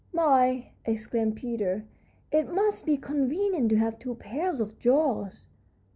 "My," exclaimed Peter, "it must be convenient to have two pairs of jaws!"